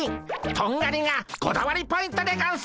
トンガリがこだわりポイントでゴンス。